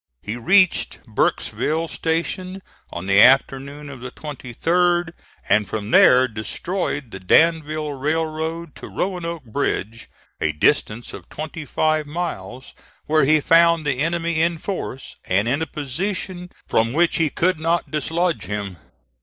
He reached Burkesville Station on the afternoon of the 23d, and from there destroyed the Danville Railroad to Roanoke Bridge, a distance of twenty five miles, where he found the enemy in force, and in a position from which he could not dislodge him.